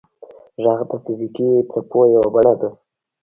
• ږغ د فزیکي څپو یوه بڼه ده.